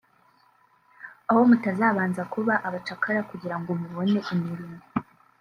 aho mutazabanza kuba abacakara kugira ngo mubone imirimo”